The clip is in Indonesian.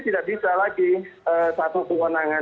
tidak bisa lagi satu kewenangan